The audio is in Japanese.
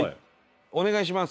お願いします！